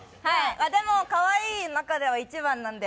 でも、かわいいの中では一番なんで。